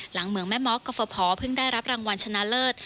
หลังเหมืองแม่ม่อก็พอเพิ่งได้รับรางวัลชนะเลิศ